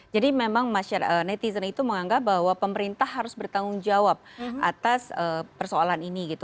jadi memang masyarakat netizen itu menganggap bahwa pemerintah harus bertanggung jawab atas persoalan ini gitu